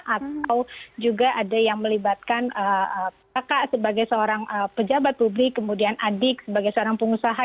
atau juga ada yang melibatkan kakak sebagai seorang pejabat publik kemudian adik sebagai seorang pengusaha